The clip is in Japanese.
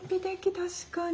確かに。